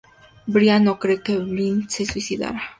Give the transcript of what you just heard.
Brian no cree que Vinh se suicidara.